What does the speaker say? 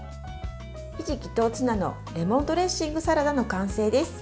ひじきとツナのレモンドレッシングサラダの完成です。